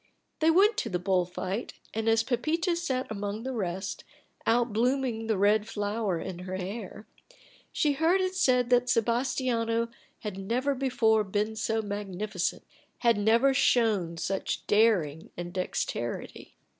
They went to the bull fight; and, as Pepita sat among the rest, out blooming the red flower in her hair, she heard it said that Sebastiano had never before been so magnificent, had never shown such daring and dexterity.